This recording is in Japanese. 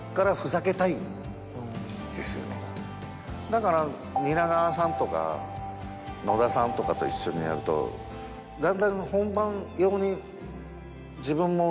だから蜷川さんとか野田さんとかと一緒にやるとだんだん。